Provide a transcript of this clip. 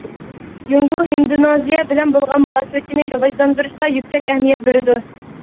جۇڭگو ھىندونېزىيە بىلەن بولغان مۇناسىۋىتىنى راۋاجلاندۇرۇشقا يۈكسەك ئەھمىيەت بېرىدۇ.